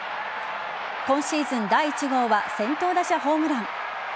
今シーズン第１号は先頭打者ホームラン。